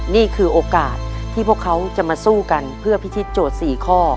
นี่คือโอกาสที่พวกเขาจะมาสู้กันเพื่อพิธีโจทย์๔ข้อ